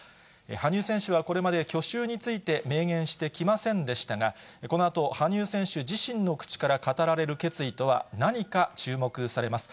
羽生選手はこれまで去就について、明言してきませんでしたが、このあと羽生選手自身の口から語られる決意とは何か、注目されます。